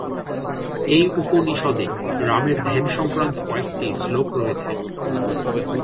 এই উপনিষদে রামের ধ্যান সংক্রান্ত কয়েকটি শ্লোক রয়েছে।